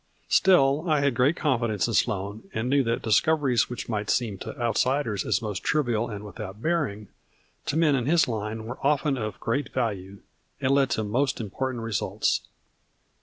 Still I had great confidence in Sloane and knew that discoveries which might seem to out siders as most trivial and without bearing, to men in his line were often of great value, and led to most important results.